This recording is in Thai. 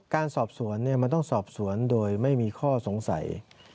การสอบสวนมันต้องสอบสวนโดยไม่มีข้อสงสัย